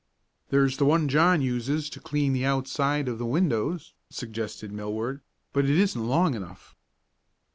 "There's the one John uses to clean the outside of the windows," suggested Millward, "but it isn't long enough."